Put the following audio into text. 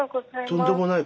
とんでもない。